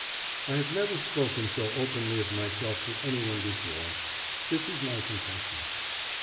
'I have never spoken so openly of myself to any one before this is my confession.